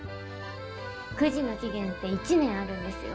くじの期限って１年あるんですよ。